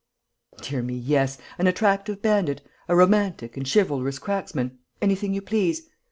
"Dear me, yes, an attractive bandit, a romantic and chivalrous cracksman, anything you please.